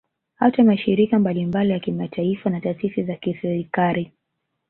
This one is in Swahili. Hata mashirika mbalimbali ya kimataifa na taasisi za kiserikali